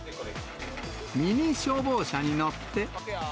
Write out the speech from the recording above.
ミニ消防車に乗って。